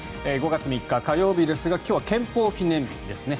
５月３日、火曜日ですが今日は憲法記念日ですね。